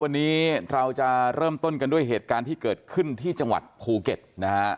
วันนี้เราจะเริ่มต้นกันด้วยเหตุการณ์ที่เกิดขึ้นที่จังหวัดภูเก็ตนะฮะ